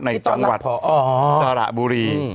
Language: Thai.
ในจังหวัดสระบุรี